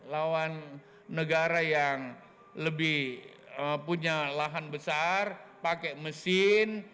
lawan negara yang lebih punya lahan besar pakai mesin